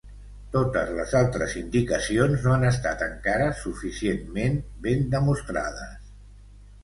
Totes les altres indicacions no han estat encara suficientment ben demostrades.